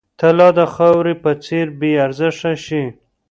طلا د خاورې په څېر بې ارزښته شي.